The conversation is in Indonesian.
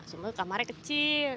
semua kamarnya kecil